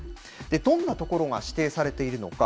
どんな所が指定されているのか。